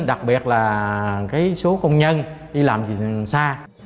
đặc biệt là số công nhân đi làm gì xa